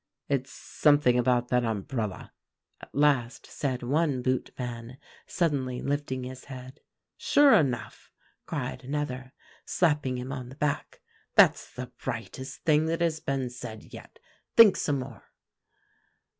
"'It's something about that umbrella,' at last said one boot man, suddenly lifting his head. "'Sure enough,' cried another, slapping him on the back; 'that's the brightest thing that has been said yet. Think some more.